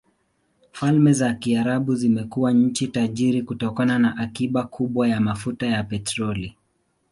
Falme za Kiarabu zimekuwa nchi tajiri kutokana na akiba kubwa za mafuta ya petroli.